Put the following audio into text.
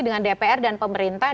dengan dpr dan pemerintah